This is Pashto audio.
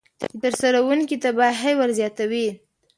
د ترسروونکي تباهي ورزیاتوي.